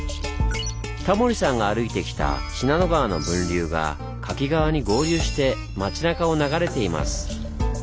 タモリさんが歩いてきた信濃川の分流が柿川に合流して町なかを流れています。